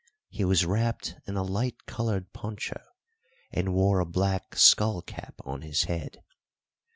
He was wrapped in a light coloured poncho, and wore a black skull cap on his head.